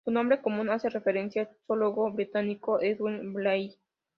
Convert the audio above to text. Su nombre común hace referencia al zoólogo británico Edward Blyth.